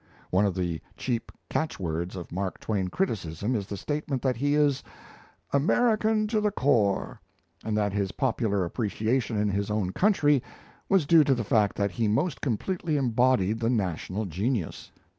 One of the cheap catchwords of Mark Twain criticism is the statement that he is "American to the core," and that his popular appreciation in his own country was due to the fact that he most completely embodied the national genius.